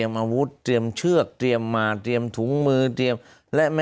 นั่นคือการเตรียมเหมือนกันไง